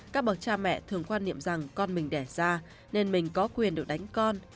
các bậc cha mẹ thường quan niệm rằng con mình đẻ ra nên mình có quyền được đánh con